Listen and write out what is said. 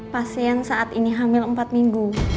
pasien saat ini hamil empat minggu